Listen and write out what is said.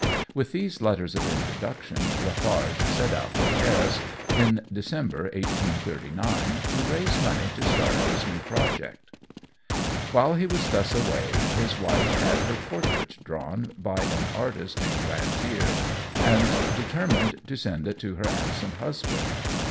With these letters of introduction, Lafarge set out for Paris in December, 1839, to raise money to start his new project. While he was thus away, his wife had her portrait drawn by an artist in Glandier, and determined to send it to her absent husband.